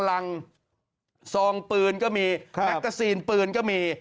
รังซองปืนก็มีแมกกาซีนปืนก็มี